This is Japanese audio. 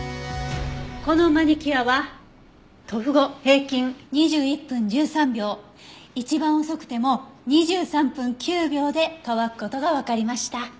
このマニキュアは塗布後平均２１分１３秒一番遅くても２３分９秒で乾く事がわかりました。